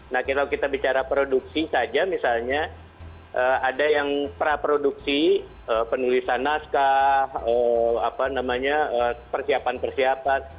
nah kalau kita bicara produksi saja misalnya ada yang praproduksi penulisan naskah persiapan persiapan